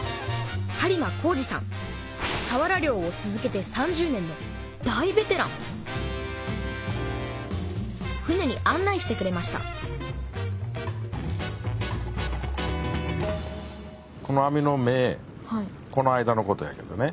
さわら漁を続けて３０年の大ベテラン船に案内してくれましたこの間のことやけどね。